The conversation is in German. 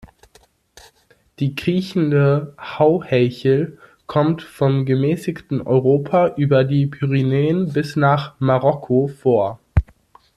Die Kriechende Hauhechel kommt vom gemäßigten Europa über die Pyrenäen bis nach Marokko vor.